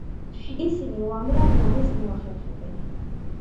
ისინი უამრავ რაიმეს მოახერხებენ.